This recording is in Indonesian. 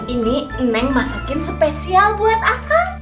ini neng masakin spesial buat apa